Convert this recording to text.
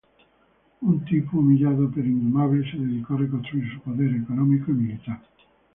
Un Tipu humillado pero indomable se dedicó a reconstruir su poder económico y militar.